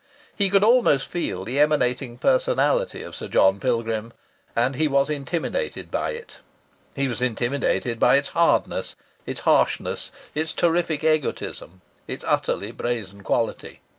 He could almost feel the emanating personality of Sir John Pilgrim, and he was intimidated by it; he was intimidated by its hardness, its harshness, its terrific egotism, its utterly brazen quality.